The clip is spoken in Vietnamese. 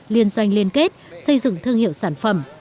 liên doanh liên kết xây dựng thương hiệu sản phẩm